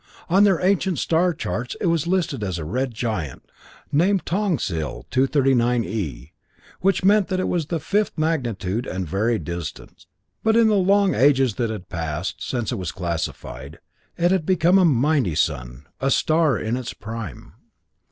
On their ancient star charts it was listed as a red giant, named Tongsil 239 e, which meant it was of the fifth magnitude and very distant. But in the long ages that had passed since it was classified, it had become a mighty sun a star in its prime.